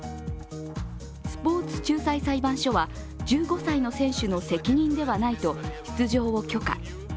スポーツ仲裁裁判所は１５歳の選手の責任ではないと出場を許可。